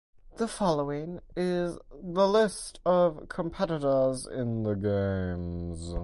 The following is the list of competitors in the Games.